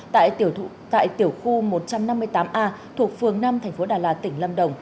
tại tiểu khu một trăm năm mươi tám a thuộc phường năm thành phố đà lạt tỉnh lâm đồng